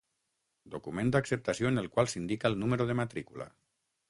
Document d'acceptació en el qual s'indica el número de matrícula.